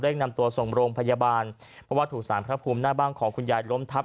นำตัวส่งโรงพยาบาลเพราะว่าถูกสารพระภูมิหน้าบ้านของคุณยายล้มทับ